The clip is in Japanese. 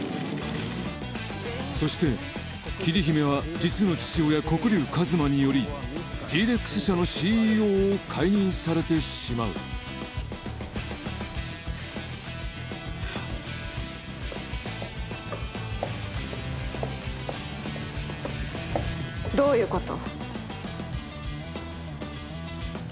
そして桐姫は実の父親・黒龍一真によりＤ−ＲＥＸ社のＣＥＯを解任されてしまうどういうこと？